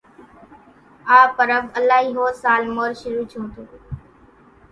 آ پرٻ الائي ۿو سال مور شرو ڇون تون